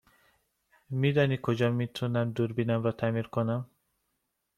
می دانید کجا می تونم دوربینم را تعمیر کنم؟